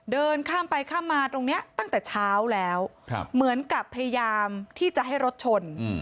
เดินข้ามไปข้ามมาตรงนี้ตั้งแต่เช้าแล้วเหมือนกับพยายามที่จะให้รถชน